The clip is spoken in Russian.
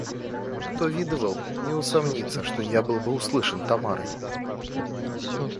Кто видывал, не усомнится, что я был бы услышан Тамарой.